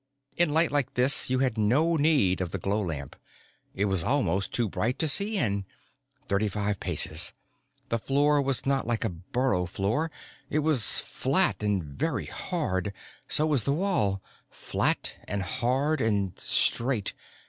_ In light like this you had no need of the glow lamp. It was almost too bright to see in. Thirty five paces. The floor was not like a burrow floor. It was flat and very hard. So was the wall. Flat and hard and straight.